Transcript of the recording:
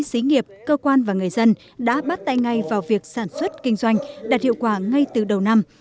xí nghiệp cơ quan và người dân đã bắt tay ngay vào việc sản xuất kinh doanh đạt hiệu quả ngay từ đầu năm